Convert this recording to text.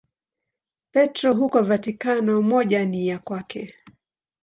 Petro huko Vatikano, moja ni ya kwake.